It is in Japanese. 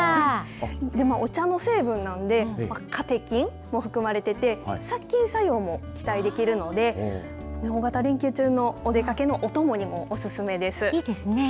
お茶の成分なんでカテキンも含まれてて殺菌作用も期待できるので大型連休中のお出かけのお供にもおすすめです。